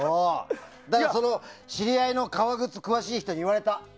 知り合いの革靴に詳しい人に言われた。